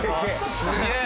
すげえ！